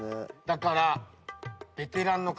だから。